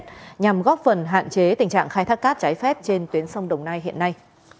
nhằm góp phần hạn chế tình trạng khai thác cát trái phép trên tuyến sông đồng nai hiện nay